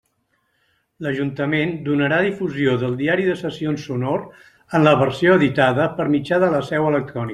L'Ajuntament donarà difusió del diari de sessions sonor, en la versió editada, per mitjà de la seu electrònica.